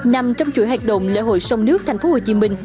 nằm trong chuỗi hoạt động lễ hội sông nước tp hcm